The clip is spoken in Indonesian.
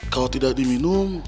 kalau tidak diminum